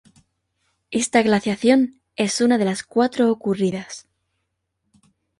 Esta glaciación es una de las cuatro ocurridas.